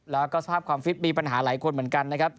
แล้วก็สภาพความฟิตมีปัญหาหลายคนเหมือนกันนะครับ